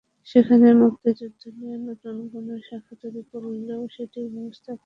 সেখানে মুক্তিযুদ্ধ নিয়ে নতুন কোনো শাখা তৈরি করলেও সেটির ব্যবস্থাপনা করা অসম্ভব।